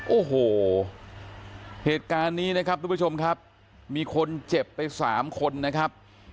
โอ้โหเหตุการณ์นี้นะครับมีคนเจ็บไปสามคนนะครับ